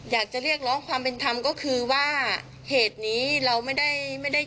อยากจะเรียกร้องความเป็นธรรมก็คือว่าเหตุนี้เราไม่ได้ไม่ได้